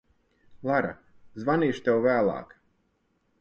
Lara, zvanīšu tev vēlāk.